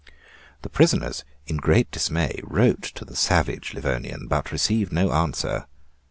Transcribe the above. The prisoners in great dismay wrote to the savage Livonian, but received no answer.